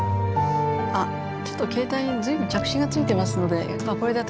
あっちょっと携帯に随分着信がついてますのでこれで私